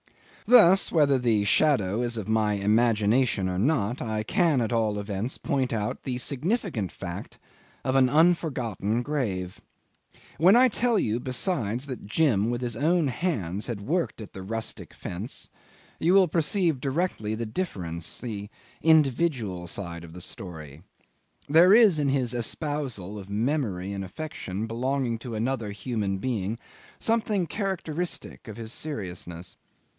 'Thus, whether the shadow is of my imagination or not, I can at all events point out the significant fact of an unforgotten grave. When I tell you besides that Jim with his own hands had worked at the rustic fence, you will perceive directly the difference, the individual side of the story. There is in his espousal of memory and affection belonging to another human being something characteristic of his seriousness.